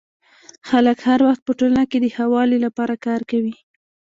خلک هر وخت په ټولنه کي د ښه والي لپاره کار کوي.